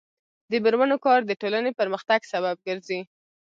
د میرمنو کار د ټولنې پرمختګ سبب ګرځي.